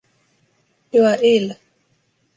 You are ill.